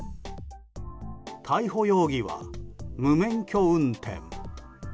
逮捕容疑は無免許運転。